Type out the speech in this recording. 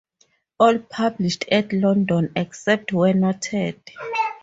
All published at London except where noted.